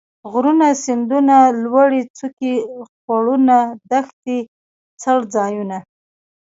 غرونه ،سيندونه ،لوړې څوکي ،خوړونه ،دښتې ،څړ ځايونه